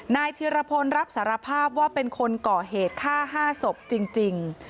นายธิรพลรับสารภาพว่าเป็นคนก่อเหตุฆ่า๕ศพจริง